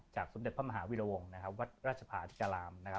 จากสมเจศน์พระมหาวิหรัวงจริตวัตรราชภาษณ์อาทิการาม